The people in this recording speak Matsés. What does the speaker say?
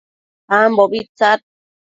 ambobi tsad